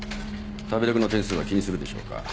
食べログの点数は気にするでしょうか？